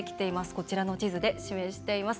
こちらの地図で示しています。